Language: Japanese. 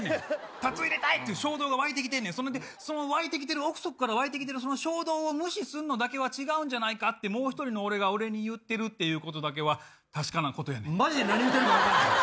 タトゥー入れたいっていう、衝動が湧いてきてんねん、それでその湧いてきてる奥底から湧いてきてる衝動を無視するのだけは違うんじゃないかって、もう１人の俺が俺に言ってるってマジ何言うてるか分からへん。